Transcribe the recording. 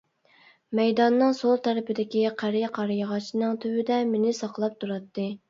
مەيداننىڭ سول تەرىپىدىكى قېرى قارىياغاچنىڭ تۈۋىدە مېنى ساقلاپ تۇراتتى.